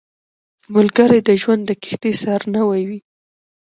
ملګری د ژوند د کښتۍ سارنوی وي